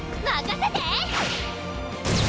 まかせて！